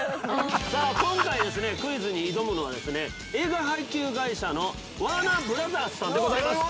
◆今回は、クイズに挑むのは、映画配給会社のワーナーブラザースさんでございます。